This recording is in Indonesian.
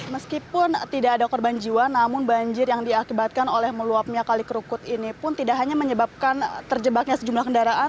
meskipun tidak ada korban jiwa namun banjir yang diakibatkan oleh meluapnya kali kerukut ini pun tidak hanya menyebabkan terjebaknya sejumlah kendaraan